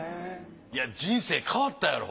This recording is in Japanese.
人生変わったやろ？